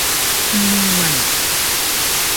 คุณมีมัน